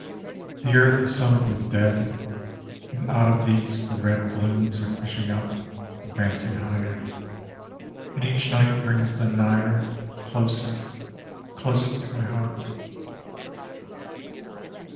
The earth is sown with dead, And out of these the red Blooms are pushing up, advancing higher, And each night brings them nigher, Closer, closer to my heart.